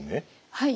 はい。